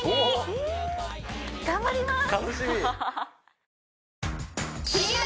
え頑張ります！